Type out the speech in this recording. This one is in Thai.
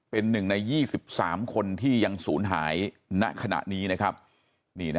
เป็นหนึ่งใน๒๓คนที่ยังสูญหายณขณะนี้